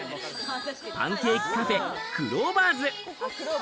パンケーキカフェ、クローバーズ。